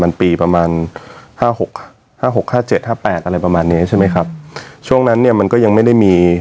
มันปีประมาณห้าหกห้าหกห้าเจ็ดห้าแปดอะไรประมาณเนี้ยใช่ไหมครับช่วงนั้นเนี่ยมันก็ยังไม่ได้มี